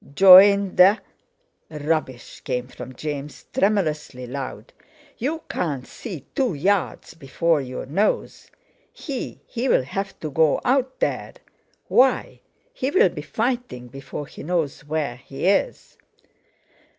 "Joined the—rubbish!" came from James, tremulously loud. "You can't see two yards before your nose. He—he'll have to go out there. Why! he'll be fighting before he knows where he is."